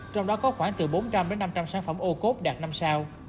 trong đó có khoảng từ bốn trăm linh năm trăm linh sản phẩm ô cốt đạt năm sao